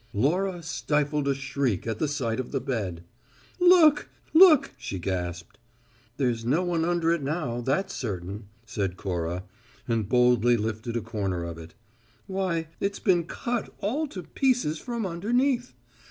Laura stifled a shriek at sight of the bed. "Look, look!" she gasped. "There's no one under it now, that's certain," said Cora, and boldly lifted a corner of it. "Why, it's been cut all to pieces from underneath!